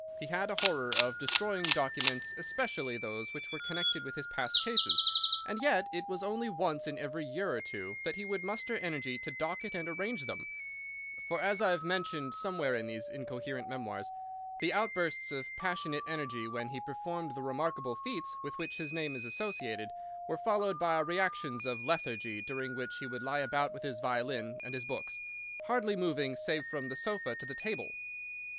He had a horror of destroying documents, especially those which were connected with his past cases, and yet it was only once in every year or two that he would muster energy to docket and arrange them; for, as I have mentioned somewhere in these incoherent memoirs, the outbursts of passionate energy when he performed the remarkable feats with which his name is associated were followed by reactions of lethargy during which he would lie about with his violin and his books, hardly moving save from the sofa to the table.